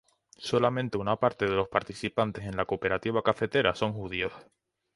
Solamente una parte de los participantes en la cooperativa cafetera son judíos.